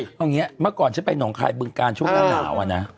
ทำอย่างนี้เมื่อก่อนชิ่งไปหนองคายบึงกาญช่วงอ้ายหนาวน่ะ